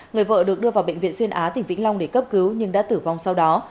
người vợ được đưa vào bệnh viện xuyên á tỉnh vĩnh long để cấp cứu nhưng đã tử vong sau đó